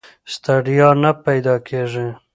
ستړیا نه پیدا کېږي.